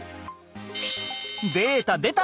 データでた！